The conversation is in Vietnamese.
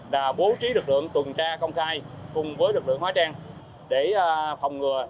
đã bố trí lực lượng tuần tra công khai cùng với lực lượng hóa trang để phòng ngừa